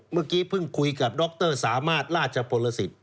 เมื่อกี้เพิ่งคุยกับดรสามารถราชพลสิทธิ